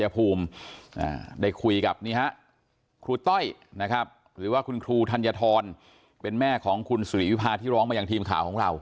เป็นแม่ของคุณสุริวิพาที่ร้องมาอย่างทีมข่าวของเรา